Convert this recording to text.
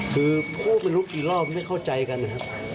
คือพูดไม่รู้กี่รอบไม่เข้าใจกันนะครับ